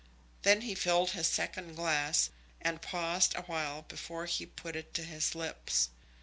Then he filled his second glass, and paused awhile before he put it to his lips.